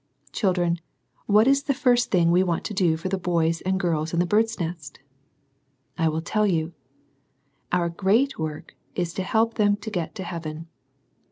Children, what is the first thing we want to do for the boys and girls in the " Bird's Nest "? I will tell you. Our sy^eat work is to help them to get to heaven.